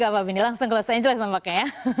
oke baiklah pak benny langsung ke los angeles nampaknya ya